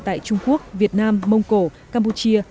tại trung quốc việt nam mông cổ campuchia